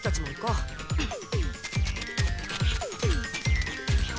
うん。